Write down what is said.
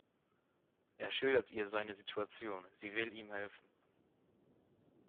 Er schildert ihr seine Situation, sie will ihm helfen.